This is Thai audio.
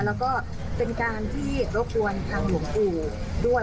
แล้วก็เป็นการที่รบกวนทางหลวงปู่ด้วย